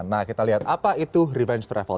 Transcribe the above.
nah kita lihat apa itu revenge travel